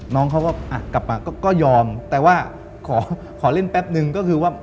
น้องเขาก็อ่ะกลับมาก็ยอมแต่ว่าขอขอเล่นแป๊บนึงก็คือว่า